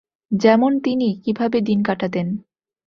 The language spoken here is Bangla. যেমন তিনি কীভাবে দিন কাটাতেন?